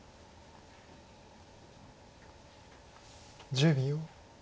１０秒。